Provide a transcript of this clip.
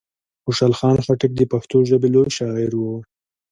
خوشحال خان خټک د پښتو ژبي لوی شاعر وو.